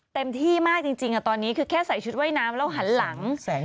เต็มที่มากจริงตอนนี้คือแค่ใส่ชุดว่ายน้ำแล้วหันหลัง